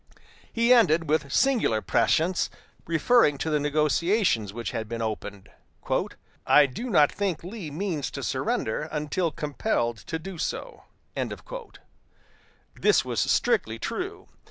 He added, with singular prescience, referring to the negotiations which had been opened: "I do not think Lee means to surrender until compelled to do so." This was strictly true.